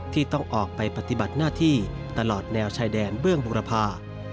ที่ต้องออกไปปฏิบัติหน้าที่ตลอดแนวชายแดนเบื้องบุรพา